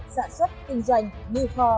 xạ xuất kinh doanh nghi pho